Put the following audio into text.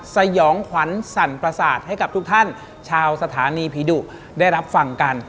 สยองขวัญสั่นประสาทให้กับทุกท่านชาวสถานีผีดุได้รับฟังกัน